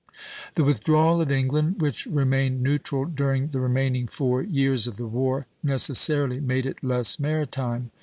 The withdrawal of England, which remained neutral during the remaining four years of the war, necessarily made it less maritime.